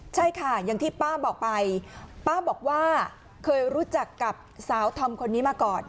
ใช่ค่ะอย่างที่ป้าบอกไปป้าบอกว่าเคยรู้จักกับสาวธอมคนนี้มาก่อน